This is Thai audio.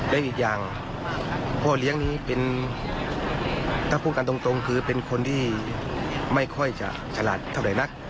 และอีกอย่างพ่อเลี้ยงนี้เป็นถ้าพูดกันตรงคือเป็นคนที่ไม่ค่อยจะฉลาดเท่าไหร่นัก